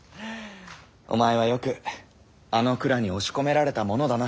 お前はよくあの蔵に押し込められたものだな。